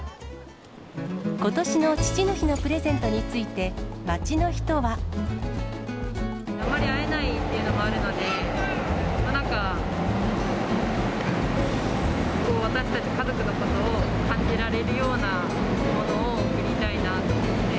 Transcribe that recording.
ことしの父の日のプレゼントについて、あまり会えないというのもあるので、なんか、私たち家族のことを感じられるようなものを贈りたいなと思って。